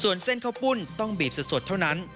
ส่วนเส้นข้าวปุ้นต้องบีบสดเท่านั้น